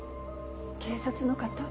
警察の方？